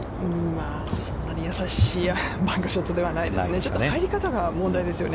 そんなに優しいバンカーショットではないですよね。